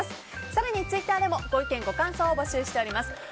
更にツイッターでもご意見、ご感想をお待ちしております。